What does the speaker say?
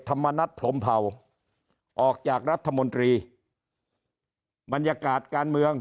ธรรมนัฐพรมเผาออกจากรัฐมนตรีบรรยากาศการเมือง